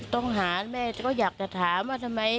ต้องหาแม่แต่ก็อยากจะถามว่าทำไม